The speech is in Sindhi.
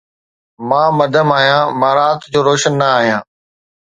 مان مدھم آھيان، مان رات جو روشن نه آھيان